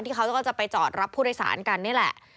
เขาก็จะไปจอดรับผู้โดยสารกันนี่แหละ